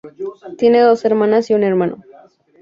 Tiene dos hermanas y un hermano.